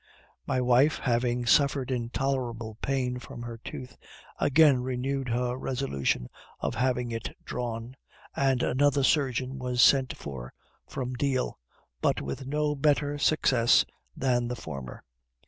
My wife, having suffered intolerable pain from her tooth, again renewed her resolution of having it drawn, and another surgeon was sent for from Deal, but with no better success than the former.